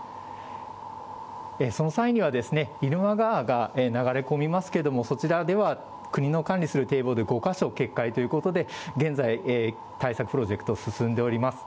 その際には、入間川が流れ込みますので、そちらでは国の管理する堤防で５か所決壊ということで、現在、対策プロジェクト、進んでおります。